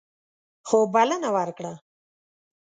خو بلنه ورکړه.